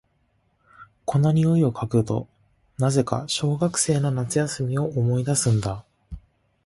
この匂いを嗅ぐと、なぜか小学生の夏休みを思い出すんだ。